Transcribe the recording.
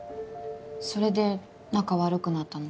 それで仲悪くなったの？